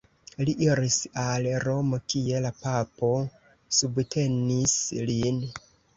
Li iris al Romo, kie la papo subtenis lin.